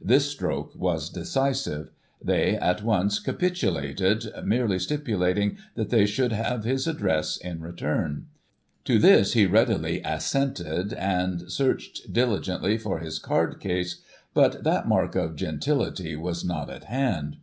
This stroke was decisive ; they, at once, capitulated, merely stipulating that they should have his address in return. To this, he readily assented, and searched diligently for his cardcase, but that mark of gentility IS* Digitized by Google 228 GOSSIP. [1843 was not at hand.